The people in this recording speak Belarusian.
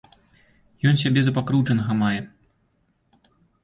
Ён сябе за пакрыўджанага мае.